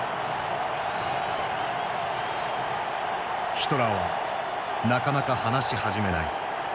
ヒトラーはなかなか話し始めない。